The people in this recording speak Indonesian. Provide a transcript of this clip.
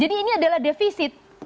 jadi ini adalah defisit